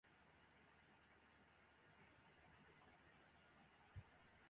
أبا الحسين بن نصر